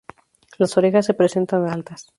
Las orejas se presentan altas.